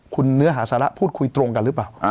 คุณเนื้อหาสาระพูดคุยตรงกันหรือเปล่า